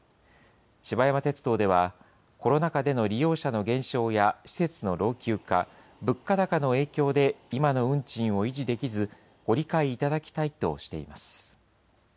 芝山鉄道では、コロナ禍での利用者の減少や施設の老朽化、物価高の影響で、今の運賃を維持できず、ご理解いただきたいとしています。